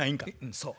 そう。